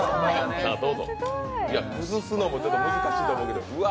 崩すのもちょっと難しいと思うけど、うわ！